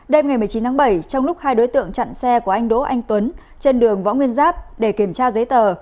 đêm ngày một mươi chín tháng bảy trong lúc hai đối tượng chặn xe của anh đỗ anh tuấn trên đường võ nguyên giáp để kiểm tra giấy tờ